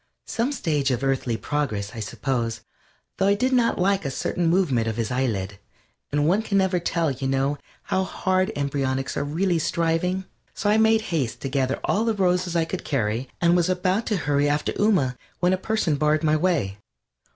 Some stage of earthly progress, I suppose, though I did not like a certain movement of his eyelid, and one never can tell, you know, how hard embryonics are really striving. So I made haste to gather all the roses I could carry, and was about to hurry after Ooma, when a person barred my way.